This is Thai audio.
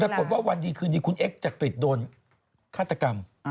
แล้วก็บอกว่าวันดีคืนนี้คุณเอ็กซ์จักริดโดนฆาตกรรม